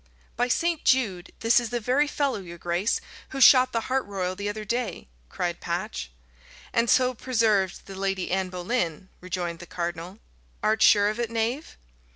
"By St. Jude! this is the very fellow, your grace, who shot the hart royal the other day," cried Patch. "And so preserved the Lady Anne Boleyn," rejoined the cardinal. "Art sure of it, knave?"